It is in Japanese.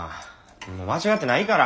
もう間違ってないから。